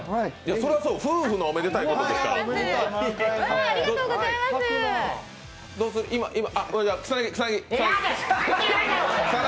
それはそう、夫婦のおめでたいことだから。